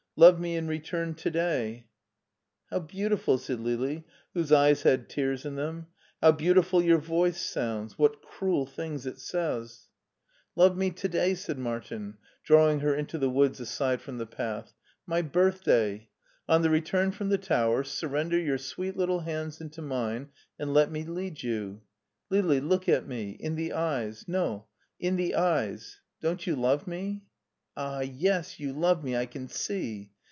Love me in return to day/* " How beautiful/* said Lili, whose eyes had tears in them ;" how beautiful your voice sounds ; what cruel things it sa}rs.^ » HEIDELBERG 49 " Love me tcnlay/' said Martin, drawing her into the woods aside from the path. " My birthday ! On the return from the tower, surrender your sweet little hands into mine and let me lead you. Lili ! look at me. In the eyes — ^no, in the eyes. Don't you love me ? Ah, yes, you love me, I can see.